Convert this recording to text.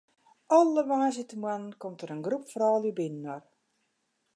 Alle woansdeitemoarnen komt dêr in groep froulju byinoar.